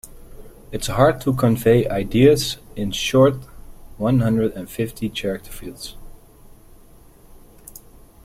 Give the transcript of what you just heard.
It's hard to convey ideas in short one hundred and fifty character fields.